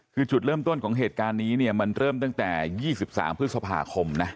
คือจุดเริ่มต้นของเหตุการณ์นี้เนี่ยมันเริ่มตั้งแต่๒๓พฤษภาคมนะ